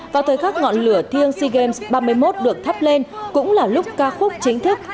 vào thời khắc ngọn lửa thiêng sea games ba mươi một được thắp lên cũng là lúc ca khúc chính thức